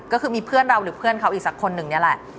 ก็คือมีเพื่อนเราหรือเพื่อนเขาอีกสักคนนึงนี่แหละ